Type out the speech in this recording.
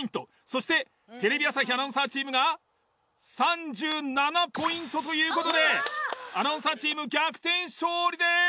そしてテレビ朝日アナウンサーチームが３７ポイントという事でアナウンサーチーム逆転勝利です！